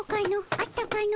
あったかの？